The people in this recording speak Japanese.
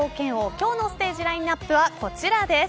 今日のステージラインナップはこちらです。